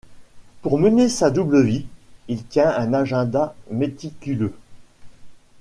Pour mener sa double vie, il tient un agenda méticuleux.